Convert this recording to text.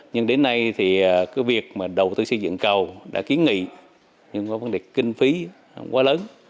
nhưng đến nay thì cái việc mà đầu tư xây dựng cầu đã kiến nghị nhưng có vấn đề kinh phí quá lớn